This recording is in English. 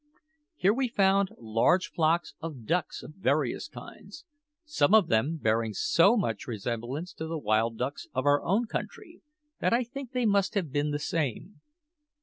Here we found large flocks of ducks of various kinds, some of them bearing so much resemblance to the wild ducks of our own country that I think they must have been the same.